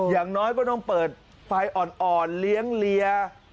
อย่างน้อยก็ต้องเปิดไฟอ่อนเลี้ยงเลีย